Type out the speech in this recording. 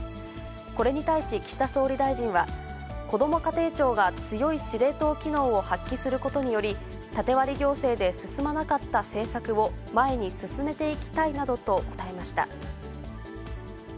これに対し、岸田総理大臣は、こども家庭庁が強い司令塔機能を発揮することにより、縦割り行政で進まなかった政策を、前に進めていきたいなどと答えました。